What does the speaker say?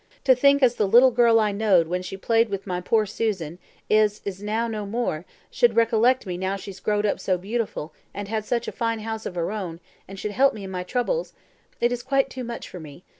To think as the little girl as I knowed when she played with my poor Susan as is now no more should recollect me now she's growed up so beautiful, and had such a fine house of her own, and should help me in my troubles! It is quite too much for me.